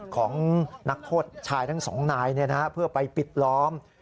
ของนักโทษชายทั้งสองนายเพื่อไปปิดล้อม